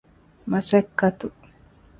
މަސައްކަތު